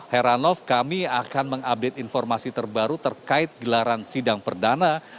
heranov kami akan mengupdate informasi terbaru terkait gelaran sidang perdana